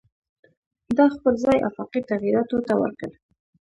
دا خپل ځای آفاقي تغییراتو ته ورکړ.